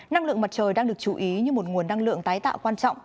năng lượng mặt trời đang được chú ý như một nguồn năng lượng tái tạo quan trọng